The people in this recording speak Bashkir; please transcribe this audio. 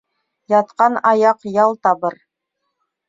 Ятҡан аяҡ ял табыр